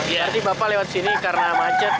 berarti bapak lewat sini karena macet